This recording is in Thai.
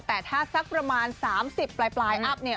แต่ถ้าสักประมาณสามสิบปลายปลายเนี่ย